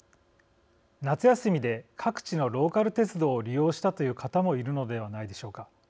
夏休みで各地のローカル鉄道を利用したという方もいるのではないでしょうか。